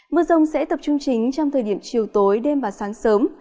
mưa rông sẽ tập trung chính trong thời điểm chiều tối đêm và sáng sớm